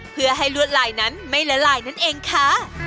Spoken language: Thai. เพื่อให้ลวดลายนั้นไม่ละลายนั่นเองค่ะ